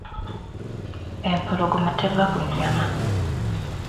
Empologoma teva ku nnyama.